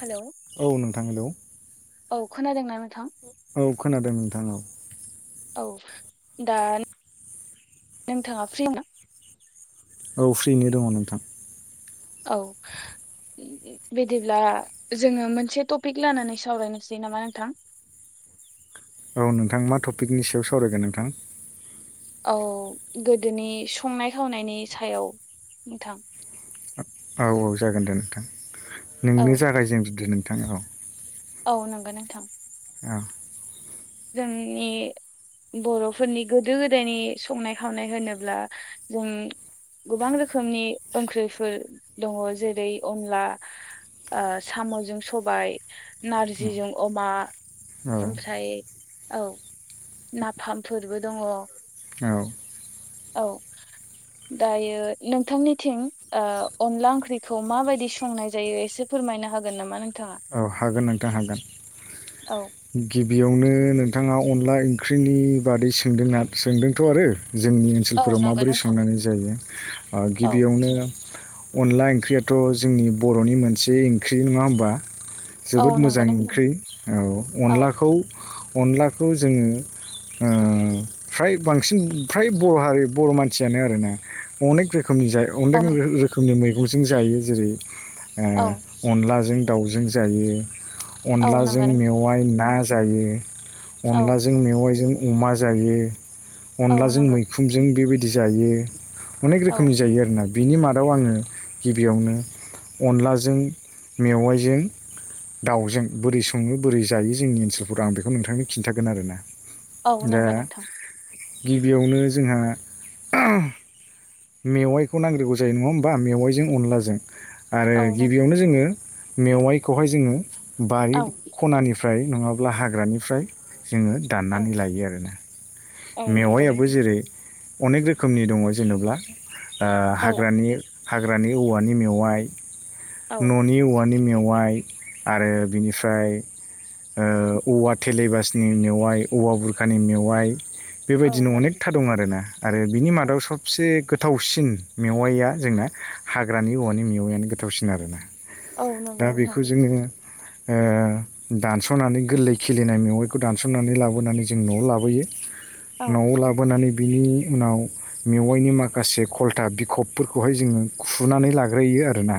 Hello औ नोंथां hello, औ खोनादों नाम औ खोनादों नोंथां औ। औ दा नोंथाङा फ्रि ना? औ फ्रिनो दङ नोंथां। औ। बिदिब्ला जोङो मोनसे टपिक लानानै सावरायनोसै नामा नोंथां? [inaudible] औ नोंथां मा टपिकनि सायाव सावरायगोन नोंथां? औ गोदोनि संनाय खावनायनि सायाव नोंथां। औ औ जागोन दे नोंथां औ नोंनो जागायजेनग्रदो नोंथां औ। औ नंगौ नोंथां। औ। जोंनि बर'फोरनि गोदो गोदायनि संनाय खावनाय होनोब्ला जों गोबां रोखोमनि ओंख्रिफोर दङ जेरै अनला, साम'जों सबाइ, नारजिजों अमा, औ ओमफ्राय औ नाफामफोरबो दङ। औ औ। दायो नोंथांनिथिं अनला ओंख्रिखौ माबायदि संनाय जायो एसे फोरमायनो हागोन नामा नोंथाङा? औ हागोन नोंथां हागोन औ गिबियावनो नोंथाङाव अनला ओंख्रिनि बादै सोंदोंना सोंदोंथ' आरो जोंनि औ ओनसोलफोराव नंगौ माबोरै नोंथां संनानै जायो औ गिबियावनो अनला ओंख्रियाथ' जोंनि बर'नि मोनसे ओंख्रि नङा होमबा। औ जोबोद नंगौ मोजां नोंथां ओंख्रि औ औ अनलाखौ अनलाखौ जोङो फ्राय बांसिन फ्राय बर' हारि बर' मानसियानो आरोना अनेक रोखोमनि औ अनेक रोखोमनि मैगंजों जायो जेरै औ अनलाजों दाउजों जायो औ अनलाजों नंगौ मेवाय ना जायो' औ अनलाजों मेवाइजों अमा जायो औ अनलाजों नंगौ मैखुनजों बेबायदि बिदि जायो अनेक औ रोखोमनि जायो आरो ना। बिनि मादाव आङो गिबियावनो अनलाजों मेवाइजों। दाउजों बोरै सङो बोरै जायो जोंनि ओनसोलफोराव आं बेखौ नोंथांनो खिन्थागोन आरोना। औ दा नंगौ नंथां। गिबियावनो जोंहा मेवाइखौ नांग्रोगौ जायो नङा होमबा मेवाइजों अनलाजों आरो औ नों गिबियावनो जोङो मेवाइखौहाय जोङो बारि औ खनानिफ्राय नङाब्ला हाग्रानिफ्राय जोङो औ दाननानै लायो आरोना। औ नंगौ मेवायाबो नोंथां जेरै अनेक रोखोमनि दङ जेनब्ला औ हाग्रानि औवानि मेवाइ औ न'नि औवानि दानि मेवाइ आरो बिनिफ्राय औवा थेलेबासनि मेवाइ औवा बुरखानि मेवाइ औ बेबायदिनो नंगौ अनेखथा दं आरोना। आरो बिनि मादाव सबसे गोथावसिन मेवाइया जोंना हाग्रानि औवानि मेवायआनो गोथावसिन आरोना औ दा नंगौ नोंथां बेखौ जोङो। ओ दानस'नानै गोरलै खिलिनाय मेवाइखौ दानस'नानै लाबोनानै जों न'आव लाबोयो। औ न'आव लाबोनानै बिनि उनाव मेवाइनि माखासे खलथा बिखबफोरखौहाय जोङो खुनानै लाग्रोयो। आरोना।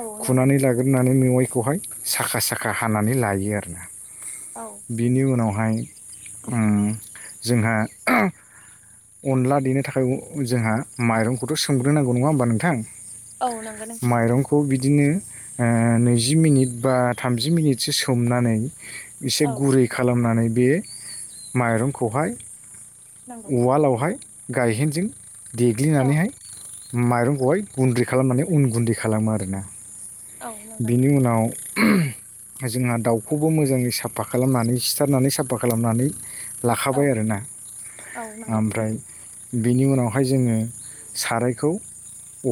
औ नंगौ खुनानै लाग्रोनानै मेवाइखौहाय साखा साखा हानानै लायो आरोना। औ बिनि उनावहाय जोंहा अनला देनो थाखाय जोंहा माइरंखौथ' सोमग्रोनांगौ नङा होमबा नोंथां। औ नोंगौ नों माइरंखौ बिदिनो नैजि मिनिट बा थामजि मिनिटसो सोमनानै एसे औ गुरै खालामनानै बे माइरंखौहाय। नंगौ उवालावहाय गायहेनजों औ देग्लिनानैहाय। माइरंखौहाय गुन्दै खालामनानै उन गुन्दै खालामो आरोना। औ नंगौ बेनि नोंथां उनाव। जोंहा दाउखौबो मोजाङै साफा खालामनानै सिथारनानै साफा खालामनानै औ लाखाबाय आरोना औ नंगौ ओमफ्राय। बिनि उनावहाय जोङो सारायखौ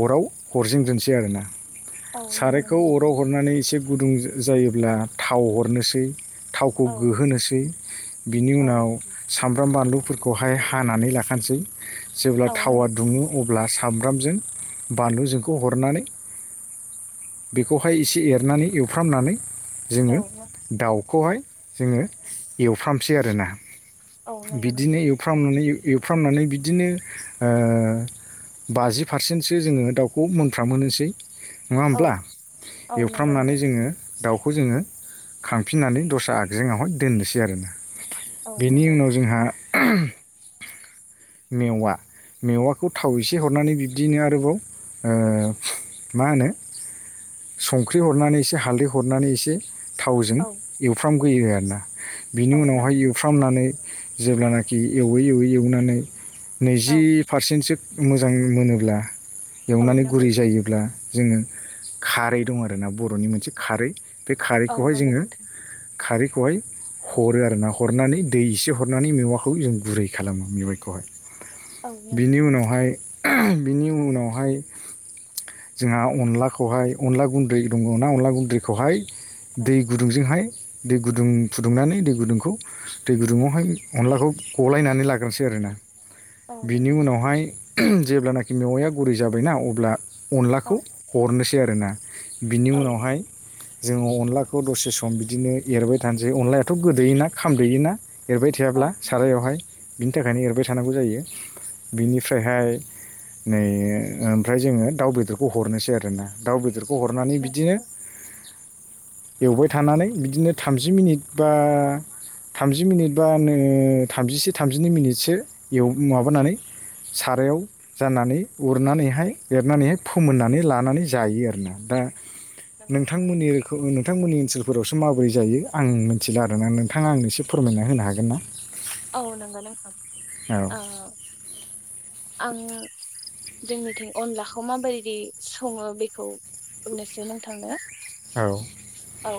अराव हरजेनग्रोनोसै आरोना। औ नंगौ नंगौ। बेखौ अराव हरनानै एसे गुदुं जायोब्ला थाव हरनोसै थावखौ औ गोहोनोसै बिनि औ उनाव सामब्राम बानलुफोरखौहाय हानानै लाखानोसै। जेब्ला औ नों थावआ दुङो अब्ला सामब्रामजों बानलुजोंखौ हरनानै बेखौहाय एसे एरनानै एवफ्रामनानै औ जोङो नों- दाउ खौहाय जोङो एवफ्रामसै आरोना औ नंगौ बिदिनो नोंथां एवफ्रामनानै एवफ्रामनानै बिदिनो ओ बाजि पारसेन्टसो जोङो दाउखौ मोनफ्रामहोसै नङा औ होमब्ला औ नंगौ नों- एवफ्रामनानै जोङो। दाउखौ जोङो खांफिननानै दस्रा आइजेंआवहाय दोननोसै आरोना। औ बेनि नंगौ उनाव जोंहा मेवा मेवाखौ थाव एसे हरनानै बिब्दिनो ओ आरोबाव मा होनो संख्रि हरनानै एसे हालदै हरनानै एसे थावजों औ एवफ्रामग्रोयो आरोना बिनि औ उनावहाय नंगौ एवफ्रामनानै जेब्लानाखि एवै एवै एवनानै औ नैजि पारसेन्टसो मोजां मोनोब्ला औ एवनानै नंगौ गुरै जायोब्ला। जोङो खारै दं आरोना बर'नि मोनसे खारै बे औ खारैखौहाय नंगौ जोङो। नोंथां। खारैखौहाय हरो आरोना हरनानै दै एसे हर हरनानै मेवाखौ जों गुरै खालामो मेवाइखौहाय औ नंगौ बिनि उनावहाय बेनि उनावहाय। जोंहा अनलाखौहाय अनला गुन्दै दङना अनला गुन्दैखौहाय औ दै गुदुंजोंहाय दै गुदुं फुदुंनानै दै गुदुंखौ दै गुदुङावहाय अनलाखौ गलायनानै लाग्रोसै आरोना औ बिनि नंगौ उनावहाय जेब्लानाखि मेवाइया गुरै जाबायना अब्ला औ अनलाखौ हरनोसै आरोना। बिनि औ उनावहाय जोङो अनलाखौ दसे सम बिदिनो एरबाय थानोसै, अनलायाथ' गोदैयोना खामदैयोना एरबाय औ न्थियाब्ला सारायावहाय बिनि थाखायनो एरबाय थानांगौ जायो बिनिफ्रायहाय नै ओमफ्राय जोङो दाउ बेदरखौ हरनोसै आरोना दाउ बेद दरखौ हरनानै नंगौ बिदिनो एवबाय थानानै बिदिनो थामजि मिनिट बा थामजि मिनिट बा नो थामजिसे थामजिनै मिनिटसो एव माबानानै सारायाव जाननानै उरनानैहाय एरनानैहाय फोमोननानै लानानै जायो आरो दा नोंथांमोननि नोंथांमोननि ओनसोल फोरावबो माबोरै जायो आं मिथिला आरोना। नोंथाङा आंनो एसे फोरमायना होनो हागोन ना? औ नंगौ नोंथां। औ ओ आं जोंनिथिं अनलाखौ माबायदि सङो बेखौ बुंनोसै नोंथांनो। औ। औ।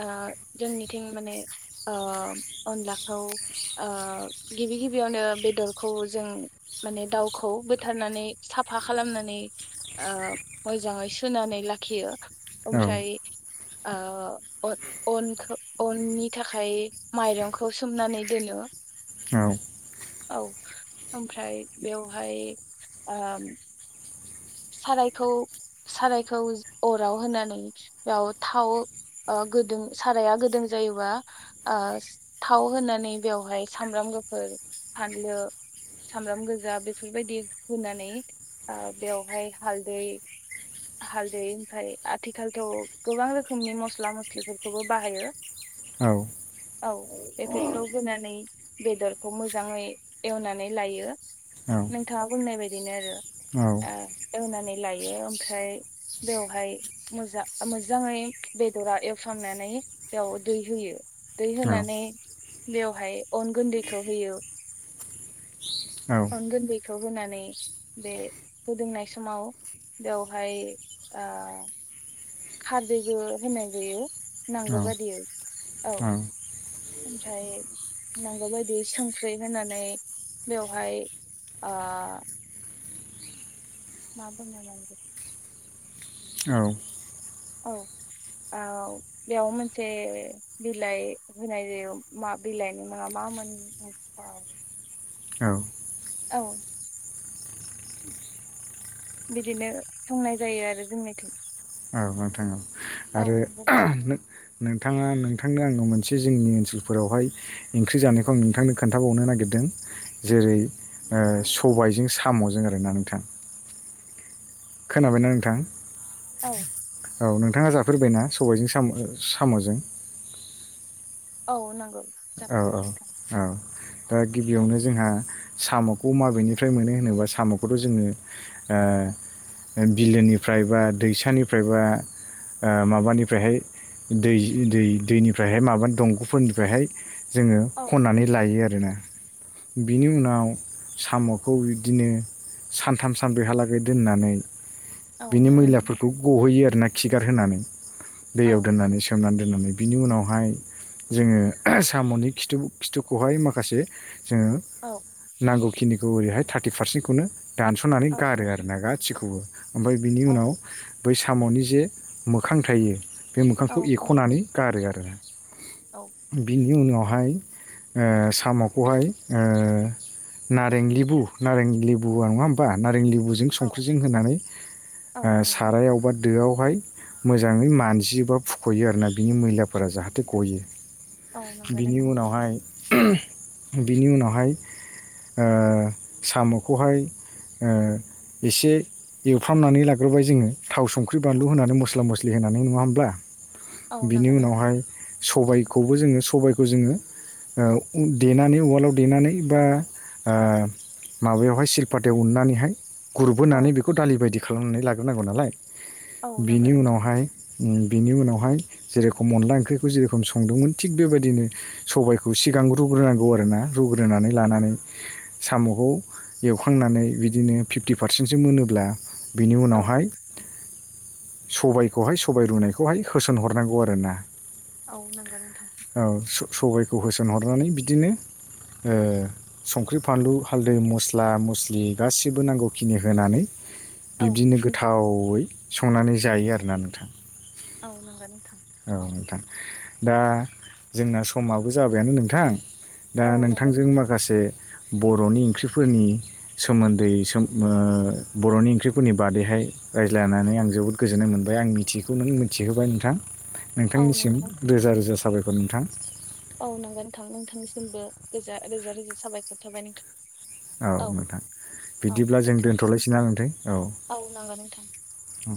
ओ जोंनिथिं माने अनलाखौ ओ गिबि गिबियावनो बेदरखौ जों माने दाउखौ बोथारनानै साफा खालामनानै ओ मोजाङै सुनानै लाखियो। औ अमफ्राय ओ अ अनखौ अननि थाखाय माइरंखौ सोमनानै दोनो। औ। औ। ओमफ्राय बेवहाय ओ सारायखौ सारायखौ अराव होनानै बेयाव थाव ओ गोदों साराया गोदों जायोबा ओ थाव होनानै बेवहाय सामब्राम गुफुर, फानलु सामब्राम गोजा बेफोरबायदि होनानै बेवहाय हालदै हालदै ओमफ्राय आथिखालथ' गोबां रोखोमनि मस्ला मस्लिफोरखौबो बाहायो। औ औ बेफोरखौ होनानै बेदरखौ मोजाङै एवनानै लायो, नोंथाङा बोंनाय बायदिनो आरो। औ ओ एवनानै लायो ओमफ्राय बेवहाय मोजां मोजाङै बेदरा एवफ्रांनानै बेयाव दै होयो। दै होनानै बेवहाय अन गोन्दैखौ होयो। अन गुन्दैखौ होनानै बे फुदुंनाय समाव बेवहाय ओ खारदैबो होनाय जायो। नांगौ बाददियै। औ। ओमफ्राय नांगौ बायदि संख्रै होनानै बेवहाय ओ मा बुंनो नांगौ औ। औ। औ बेयाव मोनसे बिलाइ होनाय जायो मा बिलाइ मोन मा मोन। [unintelligible] औ। औ। बिदिनो संनाय जायो आरो जोंनिथिं। औ नोंथां औ, औ आरो नंगौ नोंथाङा नोंथांनो आङो मोनसे जोंनि ओनसोलफोरावहाय ओंख्रि जानायखौ आं नोंथांनो खोन्थाबावनो नागिरदों। जेरै सबायजों साम'जों आरोना नोंथां। [inaudible] खोनाबायना नोंथां? औ औ नोंथाङा जाफेरबायनाा सबायजों साम' साम'जों? औ नंगौ। औ जाफेरबाय औ नोंथां औ दा गिबियावनो जोंहा साम'खौ माबेनिफ्राय मोनो होनोबा साम'खौथ' जोङो बिलोनिफ्राय बा दैसानिफ्राय बा माबानिफ्रायहाय दै दैनिफ्रायहाय माबानि दंग'फोरनिफ्रायहाय जोङो औ खन्नानै लायो आरोना बिनि उनाव साम'खौ बिदिनो। सानथाम सान बेहालागै दोननानै औ बिनि नंगौ नोंथां मैलाफोरखौ गहैयो आरोना खिगार होनानै औ दैयाव दोननानै सोमनानै दोननानै बिनि उनावहाय जोङो साम'नि खिथु खिथुखौहाय माखासे। जोङो औ नांगौखिनिखौ ओरैहाय थारटि पारसेन्टखौनो दानस'नानै औ गारो नंगौ आरोना नोंथां। गाैखौबो ओमफ्राय बिनि औ उनाव। बै साम'नि जे मोखां थायो बे औ मोखांखौ नंगौ एख'नानै गारो आरो। औ बिनि उनावहाय साम'खौहाय। नारें लिबु नारें लिबुआ नङा होनोमबा नारें लिबु बुजों औ संख्रिजों होनानै औ नंगौ सारायावबा दोआवहाय मोजाङै मानजियो बा फुख'यो आरो ना बिनि मैलाफोरा जाहाथे गयो। औ नंगौ बिनि नोंथां उनावहाय बिनि उनावहाय ओ साम'खौहाय। ओ एसे एवफ्रामनानै लाग्रोबाय जोङो। थाव संख्रि बानलु होनानै मस्ला मस्लि होनानै नुङा होमब्ला औ बिनि नंगौ नोंथां उनावहाय। सबायखौबो जोङो सबायखौ जोङो ओ देनानै उवालाव देनानै बा ओ माबायावहाय सिलपातायाव उननानैहाय औ गुरबोनानै बेखौ दालि बायदि खालामनानै लाग्रोनांगौ नालाय औ नंगौ बिनि नोंथां उनावहाय बिनि उनावहाय जेरेखम अनला ओंख्रिखौ जेरेखम संदोंमोन थिग बेबायदिनो सबायखौ सिगां रुग्रोनांगौ आरो ना रुग्रोनानै लानानै साम'। खौ एवखांनानै बिदिनो फिफ्टि पारसेन्टसो मोनोब्ला बिनि औ उनावहाय सबायखौहाय सबाय रुनायखौहाय होसोनहरनांगौ आरोना। औ नों सबायखौ होसोनहरनानै बिदिनो ओ संख्रि फानलु हालदै मस्ला मस्लि गाैबो नांगौखिनि होनानै। औ बिब्दिनो गोथावै संनानै जायो आरोना नोंथां। औ नांगौ नोंथां। औ नोंथां दा जोंना समाबो जाबायानो नोंथां दा औ नंगौ नोंथांजों माखासे बर'नि ओंख्रिफोरनि सोमोन्दै बर'नि ओंख्रिफोरनि बादैहाय रायज्लायनानै आं जोबोद गोजोन्नाय मोनबाय आं मिथिखौ नों मिथिहोबाय नोंथां। औ नोंथांनिसिम नंगौ नोंथां रोजा रोजा साबायखर नोंथां। औ नंगौ नोंथां नोंथांनिसिमबो रोजा रोजा साबायखर साबाय नोंथां। औ नोंथां औ बिदिब्ला जों दोनथ'नोसै दोनथ'लायसै न नोंथै औ। नंगौ नोंथां औ।